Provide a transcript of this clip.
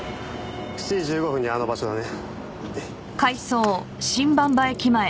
７時１５分にあの場所だね。